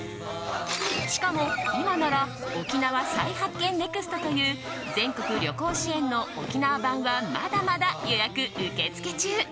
しかも、今ならおきなわ彩発見ＮＥＸＴという全国旅行支援の沖縄版はまだまだ予約受付中！